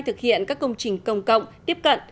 thực hiện các công trình công cộng tiếp cận